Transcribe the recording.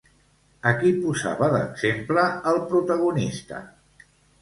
A qui posava d'exemple, el protagonista?